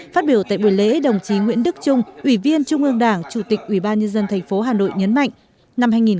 phát biểu tại buổi lễ đồng chí nguyễn đức trung ủy viên trung ương đảng chủ tịch ủy ban nhân dân tp hà nội nhấn mạnh